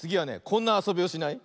こんなあそびをしない？